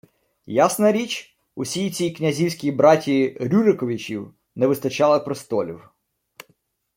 Ясна річ, усій цій князівській братії Рюриковичів не вистачало «престолів»